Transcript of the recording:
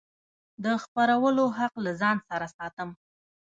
د خپرولو حق له ځان سره ساتم.